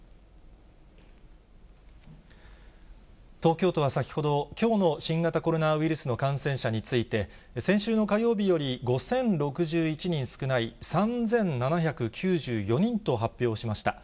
東京都は先ほど、きょうの新型コロナウイルスの感染者について、先週の火曜日より５０６１人少ない、３７９４人と発表しました。